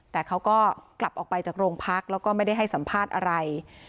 แต่เขาก็กลับออกไปจากโรงพักแล้วก็ไม่ได้ให้สัมภาษณ์อะไร